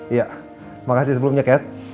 iya terima kasih sebelumnya kat